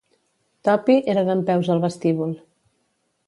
Tuppy era dempeus al vestíbul.